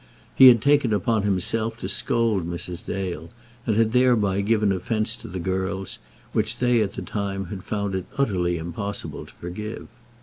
He had taken upon himself to scold Mrs. Dale, and had thereby given offence to the girls, which they at the time had found it utterly impossible to forgive.